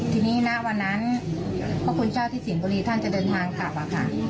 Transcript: ทีนี้ณวันนั้นพระคุณเจ้าที่สิงห์บุรีท่านจะเดินทางกลับอะค่ะ